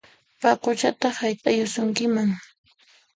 Paquchataq hayt'ayusunkiman!